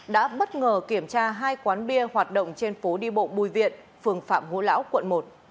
đã bất ngờ kiểm tra hai quán bia hoạt động trên phố đi bộ bùi viện phường phạm ngũ lão quận một